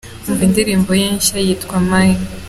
Umva indirimbo ye nshya yitwa "Mine".